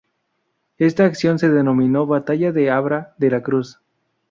Esta acción se denominó batalla de Abra de la Cruz.